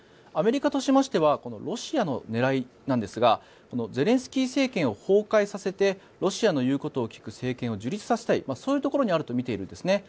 アメリカとしましてはロシアの狙いなんですがゼレンスキー政権を崩壊させてロシアの言うことを聞く政権を樹立させたいそういうところにあると見ているんです。